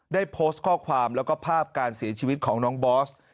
ได้โพสต์ข้อความแล้วก็ภาพการเสียชีวิตของน้องบอส